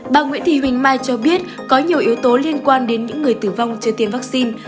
bà nguyễn thị huỳnh mai cho biết có nhiều yếu tố liên quan đến những người tử vong chưa tiêm vaccine